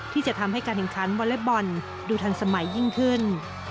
ที่จะทำให้การแข่งขันวอเล็กบอลดูทันสมัยยิ่งขึ้น